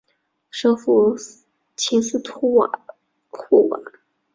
首府琴斯托霍瓦。